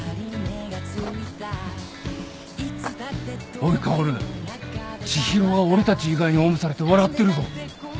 おい薫知博が俺たち以外におんぶされて笑ってるぞ。